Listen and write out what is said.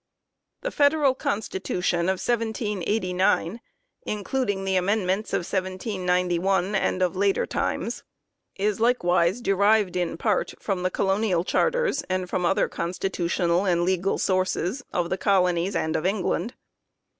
The Federal Constitution of 1789, including the Amendments of 1791 and of later times, is likewise derived in part from the colonial charters and from other constitutional and legal sources of the colonies and of England.